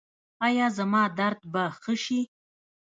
ایا زما درد به ښه شي؟